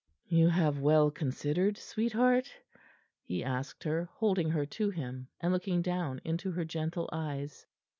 "You have well considered, sweetheart?" he asked her, holding her to him, and looking down into her gentle eyes.